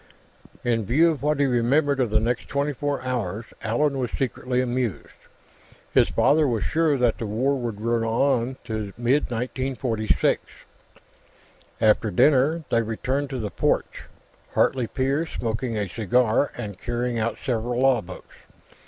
In view of what he remembered of the next twenty four hours, Allan was secretly amused. His father was sure that the War would run on to mid 1946. After dinner, they returned to the porch, Hartley père smoking a cigar and carrying out several law books.